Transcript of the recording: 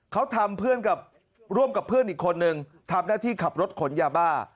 เขาทำเพื่อนร่วมกับเพื่อนอีกคนนึงทำหน้าที่ขับรถขนยาบ้า